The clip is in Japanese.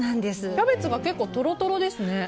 キャベツが結構トロトロですね。